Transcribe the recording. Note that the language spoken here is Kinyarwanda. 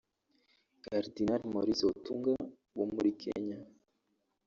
Karidinali Maurice Otunga wo muri Kenya)